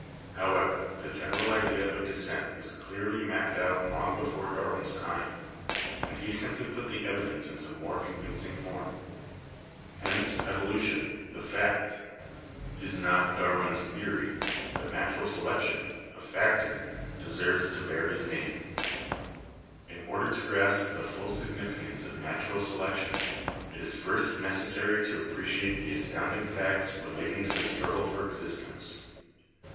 However, the gen eral idea of descent was clearly mapped out long before Darwin's time and he simply put the evidence into more convincing form. Hence evolution (the fact) is not Dar TURMT Fig. 28 — Variations Under Domestication. — Pigeons. (Romanes.) 184 BIOLOGY win's theory, but natural selection (a factor) deserves to bear his name. In order to grasp the full significance of natural selec tion, it is first necessary to appreciate the astounding facts relating to the struggle for existence.